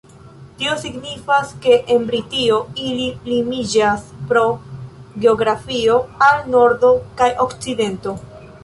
Tio signifas ke en Britio ili limiĝas pro geografio al nordo kaj okcidento.